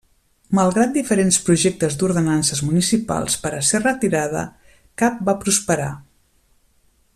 Malgrat diferents projectes d'ordenances municipals per a ser retirada, cap va prosperar.